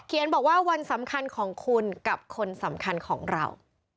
บอกว่าวันสำคัญของคุณกับคนสำคัญของเรา